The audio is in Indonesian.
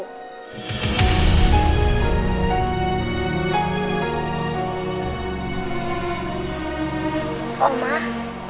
udah baik banget sama aku